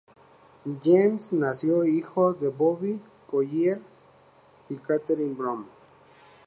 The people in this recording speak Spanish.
James nació hijo de Bobby Collier y Katherine Brown.